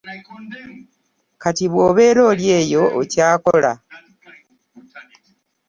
Kati bw’obeera oli eyo okyakola.